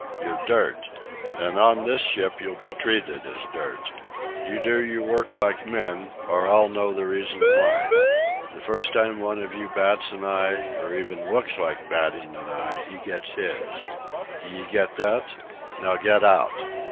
You're dirt. And on this ship you'll be treated as dirt. You'll do your work like men, or I'll know the reason why. The first time one of you bats an eye, or even looks like batting an eye, he gets his. D'ye get that? Now get out.